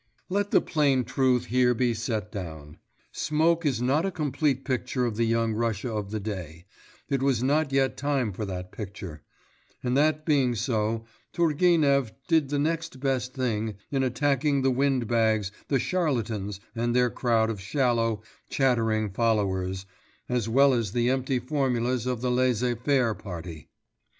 Let the plain truth here be set down. Smoke is not a complete picture of the Young Russia of the day; it was not yet time for that picture; and that being so, Turgenev did the next best thing in attacking the windbags, the charlatans and their crowd of shallow, chattering followers, as well as the empty formulas of the laissez faire party.